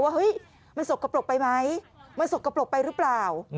เฮ้ยมันสกปรกไปไหมมันสกปรกไปหรือเปล่า